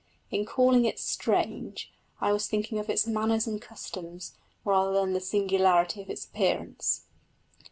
In calling it "strange" I was thinking of its manners and customs rather than of the singularity of its appearance.